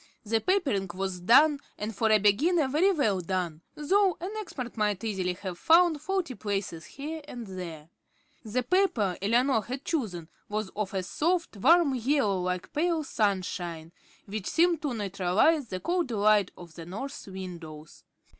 The papering was done, and for a beginner very well done, though an expert might easily have found faulty places here and there. The paper Eleanor had chosen was of a soft, warm yellow like pale sunshine, which seemed to neutralize the cold light of the north windows.